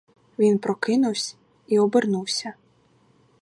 Він прокинувсь і обернувся.